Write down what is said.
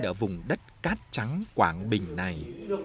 ở vùng đất cát trắng quảng bình này